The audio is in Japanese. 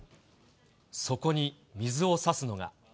そこに水をさすのが。